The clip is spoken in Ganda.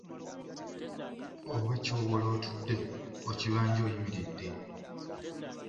Oba ky'owola otudde, okibanja oyimiridde.